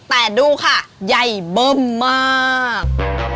แต่ดูค่ะใหญ่เบิ้มมาก